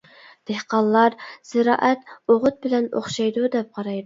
دېھقانلار زىرائەت ئوغۇت بىلەن ئوخشايدۇ دەپ قارايدۇ.